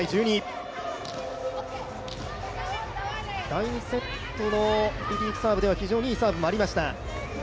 第２セットのリリーフサーブでは非常にいいサーブもありました。